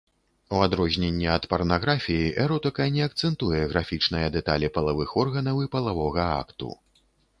У адрозненне ад парнаграфіі, эротыка не акцэнтуе графічныя дэталі палавых органаў і палавога акту.